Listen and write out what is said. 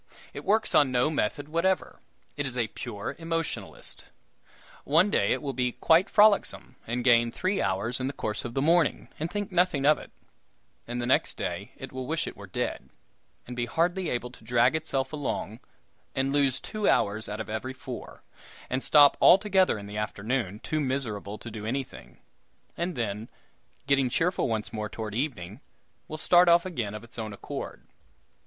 It works on no method whatever; it is a pure emotionalist. One day it will be quite frolicsome, and gain three hours in the course of the morning, and think nothing of it; and the next day it will wish it were dead, and be hardly able to drag itself along, and lose two hours out of every four, and stop altogether in the afternoon, too miserable to do anything; and then, getting cheerful once more toward evening, will start off again of its own accord.